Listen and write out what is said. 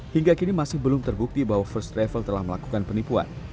hingga kini masih belum terbukti bahwa first travel telah melakukan penipuan